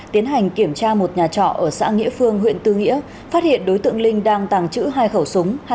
tiến hành kiểm tra một nhà trọ ở xã nghĩa phương huyện tư nghĩa phát hiện đối tượng linh đang tàng trữ hai khẩu súng